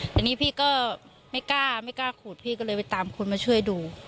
แต่นี่พี่ก็ไม่กล้าไม่กล้าขูดพี่ก็เลยไปตามคนมาช่วยดู